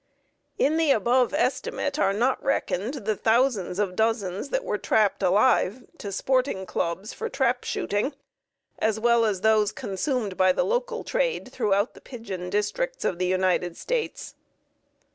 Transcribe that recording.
In the above estimate are not reckoned the thousands of dozens that were shipped alive to sporting clubs for trap shooting, as well as those consumed by the local trade throughout the pigeon districts of the United States.